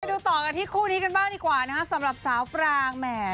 ดูต่อกันที่คู่นี้กันบ้างดีกว่านะฮะสำหรับสาวปรางแหม